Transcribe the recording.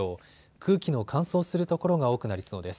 空気の乾燥する所が多くなりそうです。